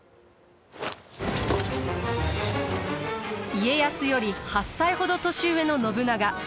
家康より８歳ほど年上の信長。